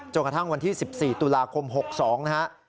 กระทั่งวันที่๑๔ตุลาคม๖๒นะฮะ